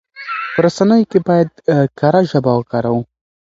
په رسنيو کې بايد کره ژبه وکاروو.